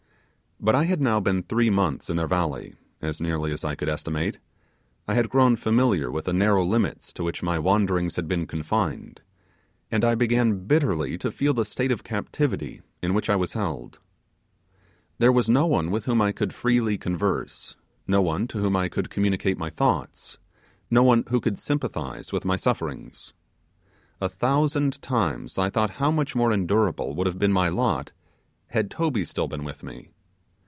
But I had now been three months in their valley, as nearly as I could estimate; I had grown familiar with the narrow limits to which my wandering had been confined; and I began bitterly to feel the state of captivity in which I was held. There was no one with whom I could freely converse; no one to whom I could communicate my thoughts; no one who could sympathize with my sufferings. A thousand times I thought how much more endurable would have been my lot had Toby still been with me.